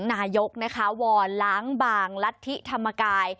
นายกวรรณล้างบางรัฐธิธรรมกาย